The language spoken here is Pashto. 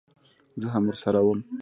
زه هم ورسره وم.